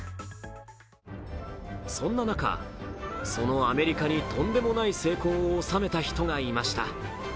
そんな中、そのアメリカのとんでもない成功を収めた人がいました。